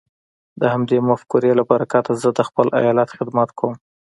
د همدې مفکورې له برکته زه د خپل ايالت خدمت کوم.